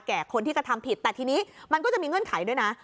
คนที่กระทำผิดแต่ทีนี้มันก็จะมีเงื่อนไขด้วยนะ